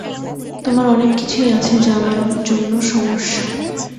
তোমার অনেক কিছুই আছে যা আমার জন্য সমস্যা।